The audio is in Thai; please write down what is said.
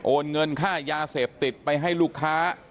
เงินค่ายาเสพติดไปให้ลูกค้า